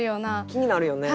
気になるよね。